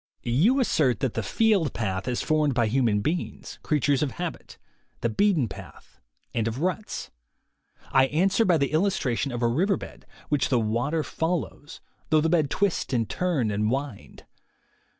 You assert that the field path is formed by human beings, creatures of habit, the beaten path, and of ruts. I answer by the illustration of a river bed, which the water follows, though the bed twist and turn and wind.